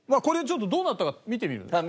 これでちょっとどうなったか見てみる？